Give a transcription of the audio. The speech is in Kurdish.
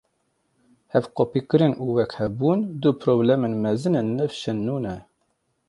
Hevkopîkirin û wekhevbûn du problemên mezin ên nivşên nû ne.